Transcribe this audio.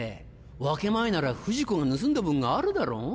分け前なら不二子が盗んだ分があるだろ？